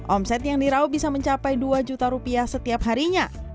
omset yang dirau bisa mencapai dua juta rupiah setiap harinya